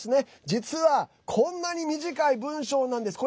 実はこんなに短い文章なんです。